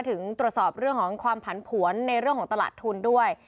ถึงตรวจสอบเรื่องของความผันผวนในเรื่องของตลาดทุนด้วย